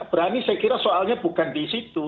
berani saya kira soalnya bukan di situ